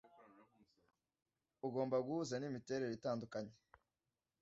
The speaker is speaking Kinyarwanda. Ugomba guhuza n'imiterere itandukanye.